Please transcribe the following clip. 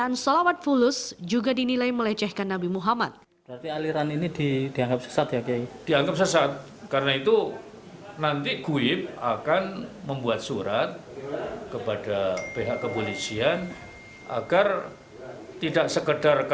bacaan salawat fulus juga dinilai melecehkan nabi muhammad